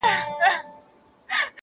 د کمزورو کنډوالې دي چي نړېږي--!